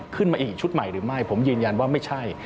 ขึ้นมาอีกชุดใหม่หรือไม่ผมยืนยันว่าไม่ใช่